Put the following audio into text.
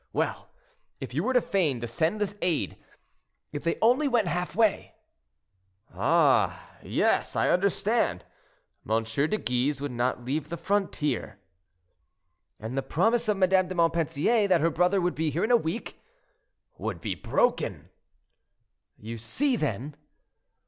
Well, if you were to feign to send this aid—if they only went half way—" "Ah! yes, I understand; M. de Guise would not leave the frontier." "And the promise of Madame de Montpensier that her brother would be here in a week—" "Would be broken." "You see, then?"